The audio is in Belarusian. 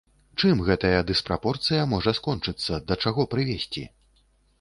Чым гэтая дыспрапорцыя можа скончыцца, да чаго прывесці?